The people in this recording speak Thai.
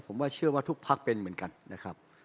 ผมว่าเชื่อว่าทุกพักเป็นเหมือนกันนะครับ